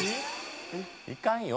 いかんよ？